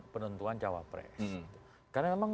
penentuan cawa press karena emang